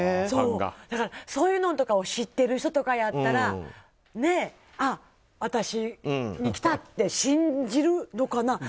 だから、そういうのんとかを知ってる人とかやったらあ、私に来たって信じるのかな。